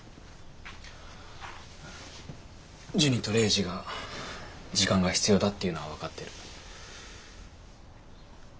ジュニとレイジが時間が必要だっていうのは分かってる。